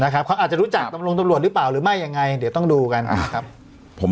เขาอาจจะรู้จักตำรวจหรือเปล่าหรือไม่ยังไงเดี๋ยวต้องดูกันนะครับผม